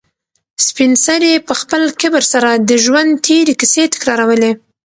سپین سرې په خپل کبر سره د ژوند تېرې کیسې تکرارولې.